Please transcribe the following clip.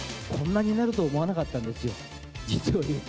こんなになるとは思わなかったんですよ。